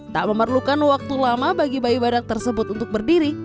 tak memerlukan waktu lama bagi bayi badak tersebut untuk berdiri